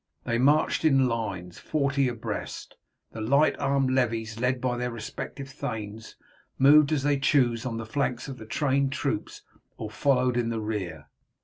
They marched in lines, forty abreast. The light armed levies, led by their respective thanes, moved as they chose on the flanks of the trained troops or followed in the rear.